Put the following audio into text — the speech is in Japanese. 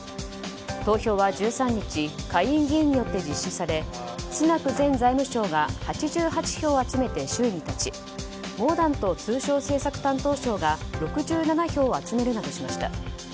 投票は１３日下院議員によって実施されスナク前財務相が８８票集めて首位に立ちモーダント通商政策担当相が６７票を集めるなどしました。